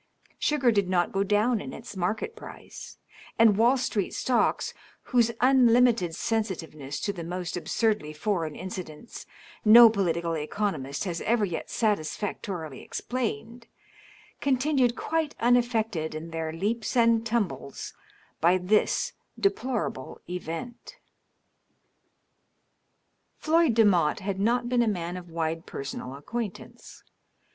Sugar did not go down in its market price, and Wall Street stocks, whose unlimited sensitiveness to the most absurdly foreign incidents no political economist has ever yet satisfactorily explained, continued quite unaffected in their leaps and tumbles by this deplorable event. Floyd Demotte had not been a man of wide personal acquaintance.